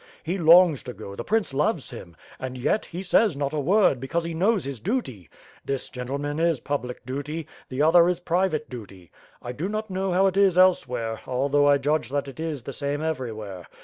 He longs to go, the Prince loves him; and yet, he says not a word, because he knows his duty. This, gentlemen, is public duty, the other is private duty. I do not know how it is elsewhere, although I judge that it is the same everywhere.